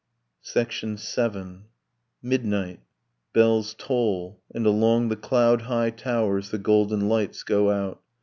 VII. Midnight; bells toll, and along the cloud high towers The golden lights go out